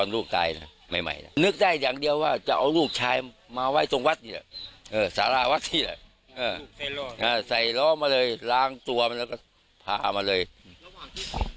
ระหว่างที่เสร็จมานี้ไว้ที่นี่มันมีคนมอง